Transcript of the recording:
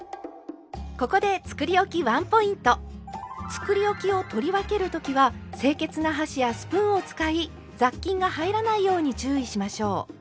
つくりおきを取り分けるときは清潔な箸やスプーンを使い雑菌が入らないように注意しましょう。